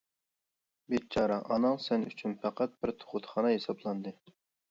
بىچارە ئاناڭ سەن ئۈچۈن پەقەت بىر تۇغۇتخانا ھېسابلاندى.